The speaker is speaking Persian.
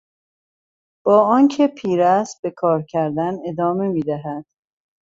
با آنکه پیر است به کار کردن ادامه میدهد.